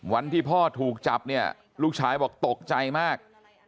วันที่พ่อถูกจับเนี่ยลูกชายบอกตกใจมาก